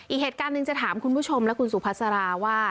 อีกเหตุการณ์หนึ่งจะถามคุณผู้ชมและคุณสุภาษาราว่า